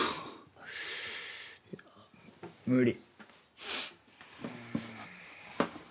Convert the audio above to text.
無理。